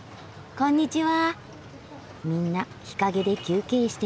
こんにちは。